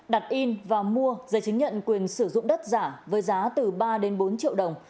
đặt in và mua giấy chứng nhận quyền sử dụng đất giả với giá từ ba đến bốn triệu đồng